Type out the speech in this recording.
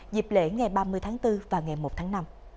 dịp lễ ngày ba mươi tháng bốn và ngày một tháng năm